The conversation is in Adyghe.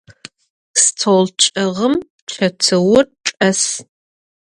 Стол чӏэгъым чэтыур чӏэс.